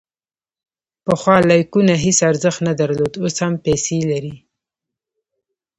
پخوا لایکونه هیڅ ارزښت نه درلود، اوس هم پیسې لري.